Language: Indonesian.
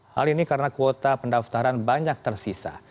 hal ini karena kuota pendaftaran banyak tersisa